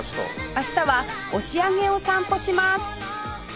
明日は押上を散歩します